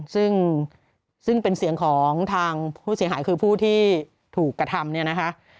ซึ่งซึ่งเป็นเสียงของทางผู้เสียหายคือผู้ที่ถูกกระทำเนี่ยนะคะ